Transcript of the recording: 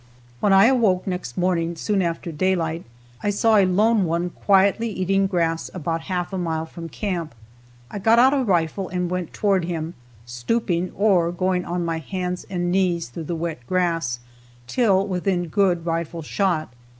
When I awoke next morning, soon after daylight, I saw a lone one quietly eating grass about half a mile from camp. I got out a rifle and went toward him, stooping or going on my hands and knees through the wet grass, till within good rifle shot.